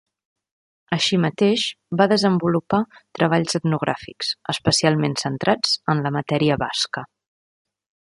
Així mateix va desenvolupar treballs etnogràfics, especialment centrats en la matèria basca.